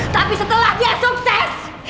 tapi setelah dia sukses